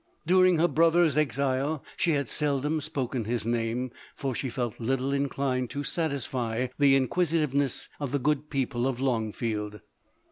During her brother's exile, she had seldom spoken his name, for she felt little inclined to satisfy the inquisitiveness of the good people of Longfield.